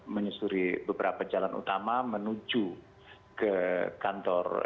menyusuri beberapa jalan utama menuju ke kantor